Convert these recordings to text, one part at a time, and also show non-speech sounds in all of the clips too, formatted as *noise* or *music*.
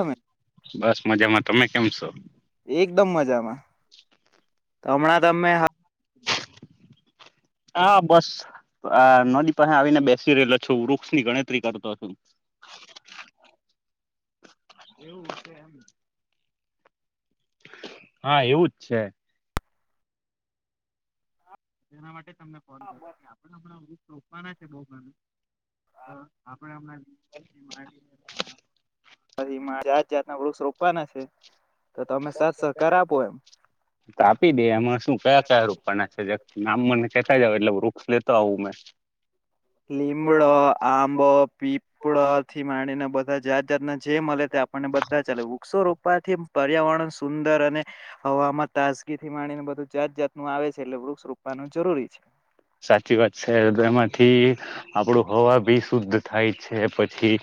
તમે બસ મજામાં તમે કેમ છો એકદમ મજામાં તો હમણાં તમને તમે જો *inaudible* હા બસ આ નદી પાસે આવીને બેસી રહેલો છું વૃક્ષ ની ગણતરી કરતો છું. *unintelligible* એવું છે એમ. હા એવુંજ છે એના માટે તમને ફોન કર્યો કે આપણે હમણાં સોપવાના છે બહુ ઘ તો આપણે હમણાં માં જાત જાતના વૃક્ષ રોપવાના છે, તો તમે સાત સહકાર આપો એમ તો આપી દે એમાં શું કયા કયા રૂપાના છે જે નામ મને કેતા જાવ એટલે વૃક્ષ લેતો આવું મેં *inaudible* લીમડો આંબો પીપળા થી માંડીને બધા જાત જાત ના જે મળે તે આપણને બધા *unintelligible* વૃક્ષ રોપાથી પર્યાવરણ સુંદર અને હવામાં તાજગી થી માણીને બધું જાત જાતનું આવે છે એટલે વૃક્ષ રોપ આપવાનું જરૂરી છે. સાચી વાત છે એમાંથી આપડું હવા ભી શુદ્ધ થાય છે પછી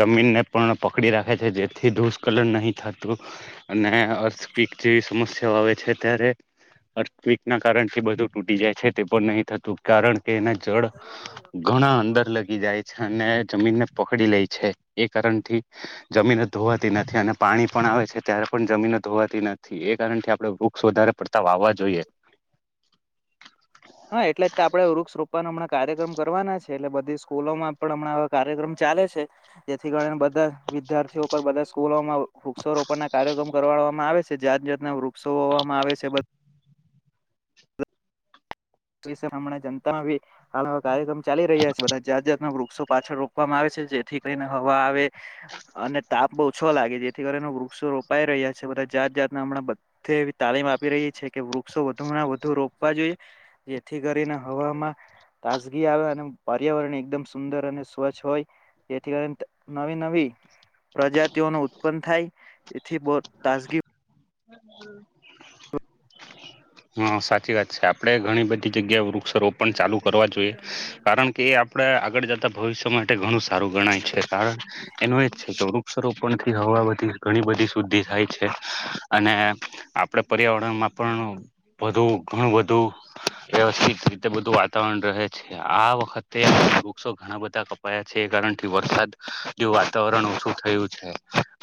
જમીનને પણ પકડી રાખે છે જેથી દુષકલન નહી થતું અને *unintelligible* જેવી સમસ્યા આવે છે ત્યારે આર્થિક ના કારણથી બધું તૂટી જાય છે તે પણ નહી તું કારણ કે એના જળ ઘણા અંદર લગી જાય છે અને જમીનને પકડી લે છે એ કારણથી જમીન ધોવાતી નથી અને પાણી પણ આવે છે ત્યારે પણ જમીન ધોવાતી નથી એ કારણથી આપડે વૃક્ષ વધારે પડતા વાવા જોઈએ. હા એટલે તા આપડે વૃક્ષ રોપવાનો હમણાં કાર્યક્રમ કરવાના છે એટલે બધી સ્કૂલોમાં પણ હમણાં કાર્યક્રમ ચાલે છે જેથી કરી ને બધા વિદ્યાર્થીઓ પર બધા સ્કૂલોમાં વૃક્ષ રોપણ ના કાર્યક્રમ કરવા રોપવા માં આવે છે જાત જાતના વૃક્ષોવામાં આવે છે. *unintelligible* જનતામાં ભી હાલ કાર્યક્રમ ચાલી રહ્યા છે બધા જાત જાતના વૃક્ષો પાછળ રોકવામાં આવે છે. જેથી કરીને હવા આવે અને તાપ ઓછો લાગે જેથી કરીને વૃક્ષો રોપાઈ રહ્યા છે. જાત જાતને હમણાં બધે એવી તાલીમ આપી રહી છે કે વૃક્ષો વધુ માં વધુ રોકવા જોઈએ. જેથી કરીને હવામાં તાજગી આવે અને પર્યાવરણ એકદમ સુંદર અને સ્વચ્છ હોય એથી અન્ટ નવી નવી પ્રજાતિઓ નો ઉત્પન્ન થાય તેથી બ તાજગી *inaudible* હા સાચી વાત છે આપડે ઘણી બધી જગ્યાએ વૃક્ષારોપ પણ ચાલુ કરવા જોઈએ કારણ કે એ આપડા આગળ જતા ભવિષ્ય માટે ઘણું સારું ગણાય છે કારણ એનું એજ છે કે વૃક્ષારોપણથી હવા બધી ઘણી બધી શુદ્ધિ થાય છે. અને આપડે પર્યાવરણમાં પણ વધુ ઘણું બધું વ્યવસ્થિત રીતે બધું વાતાવરણ રહે છે આ વખતે વૃક્ષો ઘણા બધા કપાયા છે. થી વરસાદ વાતાવરણ ઓછું થયું છે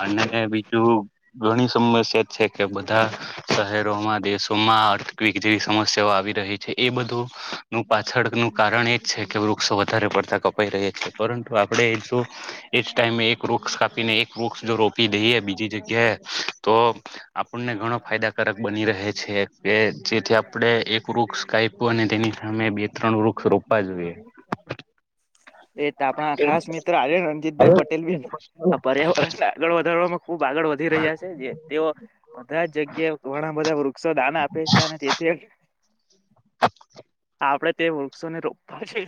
અને બીજું ગણી સમસ્યા છે કે બધા શહેરોમાં દેશોમાં આર્થિક જેવી સમસ્યાઓ આવી રહે છે એ બધું નું પાછળ નું કારણ એ જ છે કે વૃક્ષો વધારે પડતા કપાઈ રહ્યા છે પરંતુ આપણે જો એ જ ટાઈમે એક વૃક્ષ કાપીને એક વૃક્ષ જો રોપી દઈએ બીજી જગ્યાએ તો આપણને ઘણો ફાયદાકારક બની રહે છે કે જેથી આપણે એક વૃક્ષ કયપુ અને તેની સામે બે રોપાય જોઈ એ તો આપણા ખાસ મિત્ર આ રણજીતભાઈ પટેલ ભી આ પર્યાવરણને આગળ વધારવામાં ખુબ આગળ વધી રહ્યા છે જે તેઓ બધા જગ્યાએ ઘણા બધા વૃક્ષો દાન આપે છે અને તેથી આપડે તે વૃક્ષોને રોપવા છે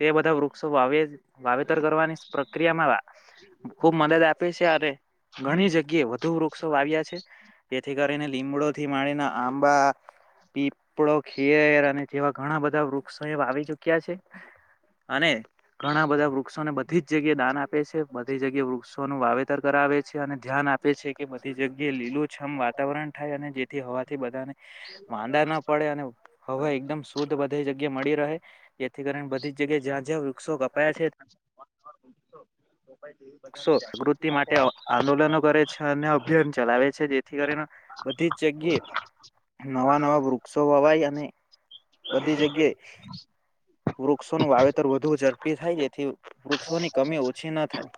તે બધા વૃક્ષો વાવે વાવેતર ખુબ મદદ આપે છે અરે ઘણી જગ્યાએ વધુ વૃક્ષો વા્યા છે જેથી કરીને લીમડો થી માણીને આંબા પીપળો ખેર અને જેવા ઘણા બધા વૃક્ષો એ આવી ચુક્યા છે અને ઘણા બધા વૃક્ષોને બધી જ જગ્યાએ દાન આપે છે બધી જગ્યાએ વૃક્ષોનું વાવેતર કરાવે છે. છે અને ધ્યાન આપે છે કે જગ્યાએ લીલુ છમ વાતાવરણ થાય અને જેથી હવાથી બધાને વાંદા ન પડે અને હવા એકદમ શુદ્ધ બધી જગ્યા મળી રહે જેથી કરીને બધી જગ્યા જ્યાં જ્યાં વૃક્ષો કપાયા છે *inaudible* પક્ષો જાગૃતિ માટે આંદોલનો કરે છે અને અભિયાન ચલાવે છે જેથી કરીને બધી જગ્યા નવા નવા વૃક્ષો વાવાય અને બધી જગ્યાએ વૃક્ષોનું વાવેતર વધુ ઝડપી થાય તેથી વૃક્ષોની કમી ઓછી ના થાય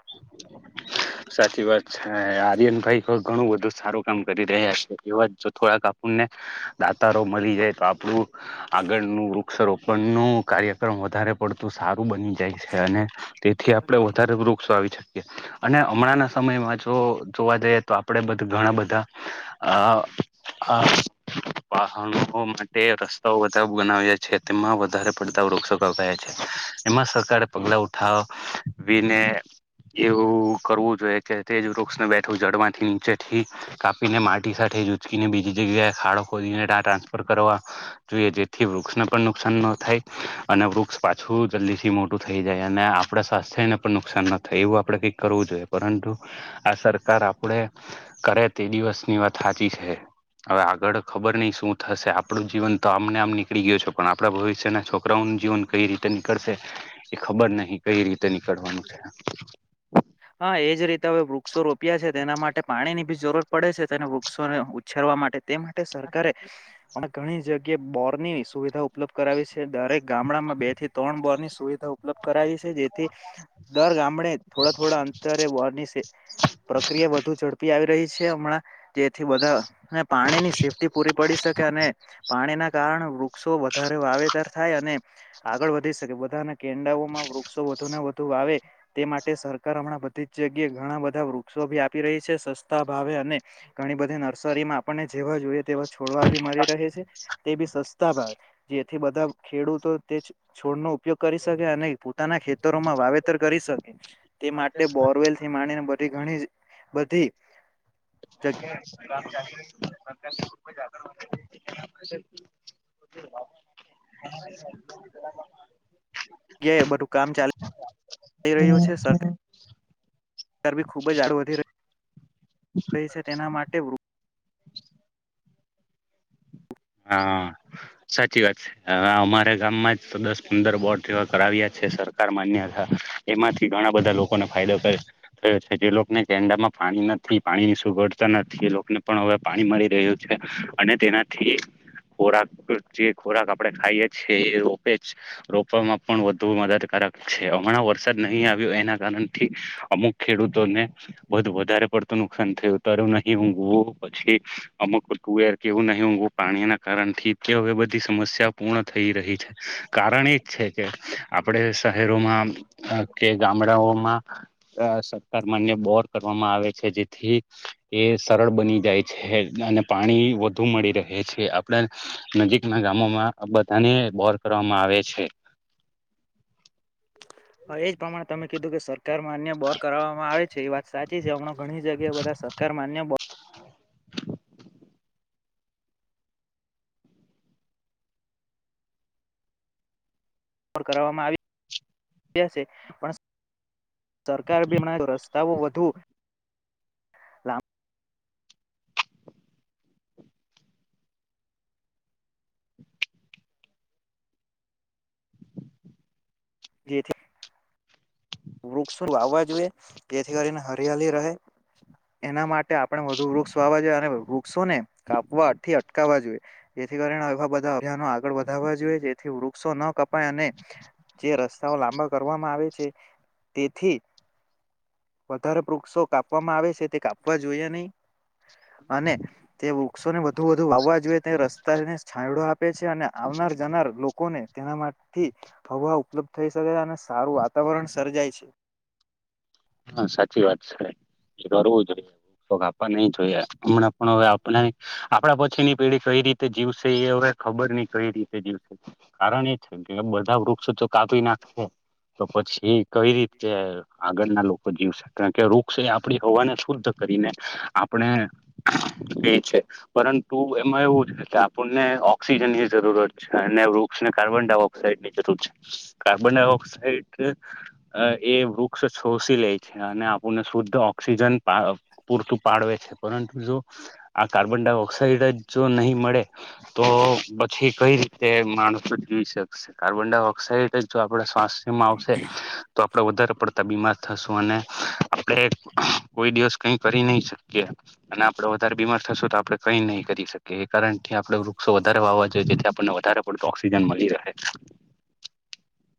સાચી વાત છે આર્યન ભાઈ ઘણું બધું સારું કામ કરી રહ્યા છે એવા જ જો થોડાક આપ દાતારો મળી જાય તો આપણું આગળ ન વક્ષરોોપણ ન કાર્યક્રમ વધારે પડતું સારું બની જાય છે અને તેથી આપણે વધારે વૃક્ષો આવી શકીએ અને હમણાંના સમયમાં જો જોવા જઈએ તો આપડે બધા ઘણા બધા અ વાહણ માટે રસ્તાઓ બા બનાવ્યા છે તેમાં વધારે પડતા વૃક્ષો ગપાયા છે એમાં સરકારે પગલા ઉઠાવ વિને એવું કરવું જોઈએ કે તે જ વૃક્ષને બેઠું જડમાંથી નીચે થી કાપીને માટી સાથે જ ઉચકીને બીજી ખાડો ખોદી ટ્રાન્સફર કરવા જોઈએ જેથી વૃક્ષને પણ નુકસાન ન થાય અને અને વૃક્ષ પાછું જલ્દીથી મોટું થઈ જાય અને આપણા સ્વાસ્થ્યને પણ નુકસાન ન થાય એવું આપણે કંઈ કરવું જોઈએ પરંતુ આ સરકાર આપડે કરે તે દિવસની વાત સાચી છે હવે આગળ ખબર નહી શું થશે આપણું જીવન તો આમને આમ નીકળી ગયયો છે પણ આપણા ભવિષ્યના છોકરાઓ જીવન કઈ રીતે નીકળશે એ ખબર નહીિ કઈ રીતે નીકળવાનું છે હા હા એ જ રીતે હવે વૃક્ષો રોપ્યા છે તેના માટે પાણી ની બી જરૂરત પડે છે તેને વૃક્ષોને ઉછેરવા માટે તે માટે સરકારે પણ ઘણી જગ્યાએ બોર ની સુવિધા ઉપલબ્ધ કરાવી છે દરેક ગામડામાં બે થી ત્રણ બોર ની સુવિધા ઉપલબ્ધ કરાવી છે જેથી દર ગામડે થોડા થોડા અંતરે વર્ની છે પ્રક્રિયા વધુ ઝડપી આવી રહી છે હમણાં જેથી બધા પાણી ની સેફ્ટી પૂરી પડી અને પાણીના કારણે વૃક્ષો વધારે વાવેતર થાય અને આગળ વધી શકે કેડામાં વૃક્ષો વધુ ને વધુ વાવે તે માટે સરકાર હમણાં બધી જ જગ્યાએ ઘણા બધા વો ભી આપી રહી છે સસ્તા ભાવે અને ઘણી બધી નર્સરીમાં આપણને જેવા જોઈએ તેવા છોડવા બી મારી રહે છે તે બી સસ્ જેથી બધા ખેડૂતો તે છોડ નો ઉપયોગ કરી શકે અને પોતાના ખેતરોમાં વાવેતર કરી શકે તે માટે બોરવેલ થી માનીને બધી ઘણી બધી હમ *inaudible* હા જગ્યાએ બધું કામ ચાલુ થઈ રહ્યું છે સરકાર ગરબી ખૂબ જ આડળ વધી રહી રહી છે તેના માટે હા સાચી વાત છે અમારા ગામમાં જ દસ પંદર બોર્ડ જેવા કરાવ્યા છે સરકાર માન્ય હતા એમાંથી ઘણા બધા લોકોને ફાયદો થયો છે જે લોકોને ડામાં પાણી નથી પાણી ની સુગડતા નથી એ લોકોને પણ હવે પાણી મળી રહ્યું છે અને તેનાથી ખોરાક જે ખોરાક આપડે ખાઈએ છીએ એ રોપે જ રોપવામાં પણ વધુ મદદ હમણાં વરસાદ નહીં આવ્યો એના કારણથી અમુક ખેડૂતોને બધ વધારે પડતું નુકસાન થયું તર નહી ઊંઘવો પછી અમક તુંર કેવું નહી ઊંઘવ પાણીના કારણ થી તે હવે બધી સમસ્યા પૂર્ણ થઈ રહી છે કારણ એજ છે કે આપડે શહેરોમાં કે ગામડાઓમાં સરકાર માન્ય બોર કરવામાં આવે છે જેથી એ સરળ બની જાય છે અને પાણી વધુ મળી રહે છે આપણા નજીકના ગામોમાં બધાને બોર કરવામાં આવે છે *inaudible* હા એજ પ્રમાણે તમે કીધું કે સરકારમાં અન્ય બોર કરાવવામાં આવે છે એ વાત સાચી છે હમણાં ઘણી જગ્યાએ વ સરકાર માન્ય બો કરવામાં આવી છે પણ સરકાર બી હમણાં રસ્તાઓ વધુ લા જેથી વૃક્ષો વાવવા જોઈએ જેથી કરીને હરિયાલી રહે એના માટે આપણે વધુ વોક્ષ વાવવા જોઈએ અને વૃક્ષોને કાપવાથી અટકાવવા જોઈએ જેથી કરીવા બધા અભિયા આગળ વધવા જોઈએ જેથી વૃક્ષો ન કપાય અને જે રસ્તાઓ લાંબા કરવામાં આવે છે તેથીિ વધારે વૃક્ષો કાપવામાં આવે છે તે કાપવા જોઈએ નહી અને તે વૃક્ષોને વધુ વધુ વાવવા જોઈએ તે રસ્તાને છાંયડો આપ આપે છે અને આવનાર જનાર લોકોને તેના માટે થી હવા ઉપલબ્ધ થઈ શકે અને સારું વાતાવરણ સર્જાય છે હા સાચી વાત છે કરવું જોઈએ ોાવા નહી જોઈએ હમણાં પણ હવે આપના આપણા પછી ની પેઢી કઈ રીતે જીવશે એ હવે ખબર નહી કઈ રીતે જીવસે કારણ એ છે કે બધા વૃક્ષો તો કાપી નાખસે તો પછી કઈ રીતે આગળ ના લોકો જીવસે કારણ કે વૃક્ષ એ આપણી હવાને શુદ્ધ કરીને આપણે ક છે પરંતુ એમાં એવું છે કે આપણને ઓક્સિજન ની જરૂરત છે અને વૃક્ષને કાર્બન ડ ની જરૂર છે કાર્બન ડાયોક્સાઇડ એ વૃક્ષ શોષિત છે અને આપણને શુદ્ધ ઓક્સિજન પૂરતું પાળવે છે પરંતુ જો આ કાર્બન ડાયોક્સાઇડ જ જો નહીં મળે તો પછી કઈ રીતે માણસો જીવી શકશે કાર્બન ડાયોક્સાઇડ જ જો આપડ સ્વાસ્થ્યમાં આવશે તો આપડ વધારે પડતા બીમાર થશું અને આપણે કોઈ દિવસ કઈ કરી નહી શકીએ અને આપડે વધારે બીમાર થશું તો આપડે કઈ નહી કરી શકે એ કારણથી આપડ વૃક્ષો વધારે વાવા જોઈએ જેથી આપણને વધારે પડતો ઓક્સિજન મળી રહે *inaudible*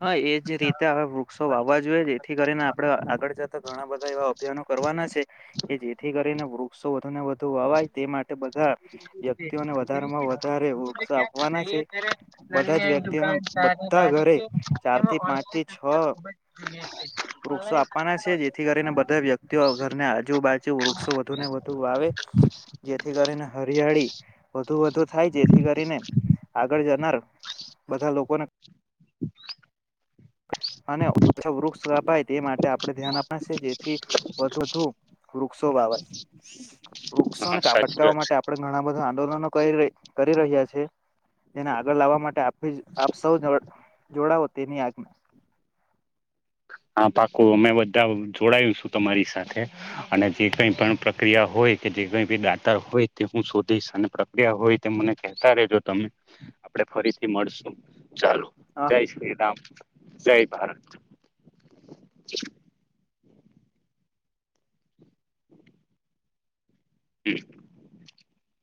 હા એજ રીતે હવે વૃક્ષો વાવવા જોઈએ જેથી કરીને આપડણે આગળ જતા ઘણા બધા એવા અભિયાનો કરવાના છે કે જેથી કરીને વૃક્ષો વધુ ને વધુ વાવાય તે માટે બધા વ્યક્તિઓને વધારે માં વધારે વૃક્ષો આપવાના છે બધા જ વ્યક્તિઓના બધા ઘરે ચાર થી પાંચ થી છો વૃક્ષો આપવાના છે જેથી કરીને બધા વ્યક્તિઓ ઘરની આજુબાજુ વૃક્ષો વધુ ને વધુ વાવે જેથી કરીને હરિયાળી વધુ વધુ થાય જેથી કરીને આગળ જનાર બધા લોકોને *inaudible* અને ઓછા વૃક્ષ અપાય તે માટે આપણે ધ્યાન આપના છે જેથી વધુ વધુ વૃક્ષો બાબત હા વૃક્ષોને સાચી કાપટકાાવવા વાત માટે આપડે ઘણા બધા આંદોલનો કરી રહી કરી રહ્યા છે એને આગળ લાવવા માટે આપ આપ સૌ જોડાવો તેની આજ્ઞા *inaudible* આ પાકોું અમે બધા જોડાયુંશું તમારી સાથે અને જે કઈ પણ પ્રક્રિયા હોય કે જે કી દાતા હોય તે હું શોધીશ અને પ્રક્રિયા હોય તે મને કહેતા રેજો તમે આપ ફરીથી મળશો ચાલો જય શ્રીરામ જય ભારત *inaudible* હમ